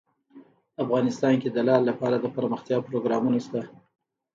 افغانستان کې د لعل لپاره دپرمختیا پروګرامونه شته.